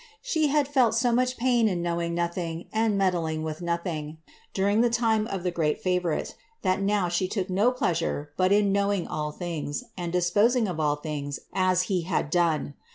She had felt so much pain in knowing nothing, and meddling with nothing, during the time of the great favourite, that now she took no pleasure but in knowing ill things, and disposing of all things, as he had done.